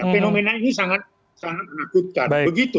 fenomena ini sangat menakutkan